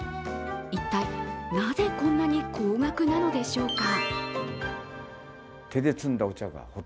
一体なぜ、こんなに高額なのでしょうか。